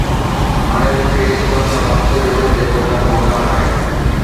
هاڻي مون کي ان سان واسطو ڏيو جيڪو ڏاڍو اداس آهي